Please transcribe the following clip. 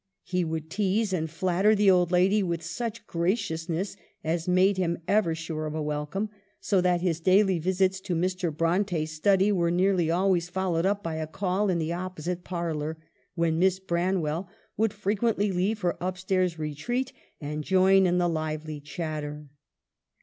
He would tease and flatter the old lady with such graciousness as" made him ever sure of a welcome ; so that his daily visits to Mr. Bronte's study were nearly always followed up by a call in the opposite par lor, when Miss Branwell would frequently leave her up stairs retreat and join in the lively chat ter.